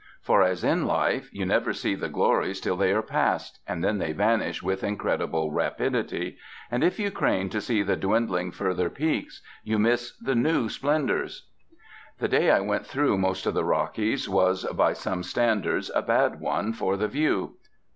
For, as in life, you never see the glories till they are past, and then they vanish with incredible rapidity. And if you crane to see the dwindling further peaks, you miss the new splendours. The day I went through most of the Rockies was, by some standards, a bad one for the view.